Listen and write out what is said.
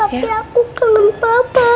tapi aku kangen papa